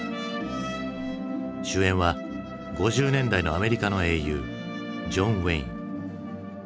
主演は５０年代のアメリカの英雄ジョン・ウェイン。